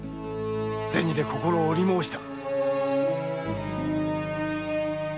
銭で心を売り申した。